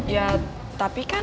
ya tapi kan